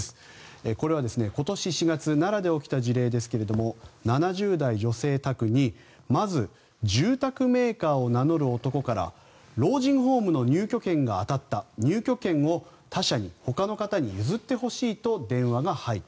これは今年４月奈良で起きた事例ですが７０代女性宅にまず住宅メーカーを名乗る男から老人ホームの入居権が当たった入居権を他者に、ほかの方に譲ってほしいと電話が入る。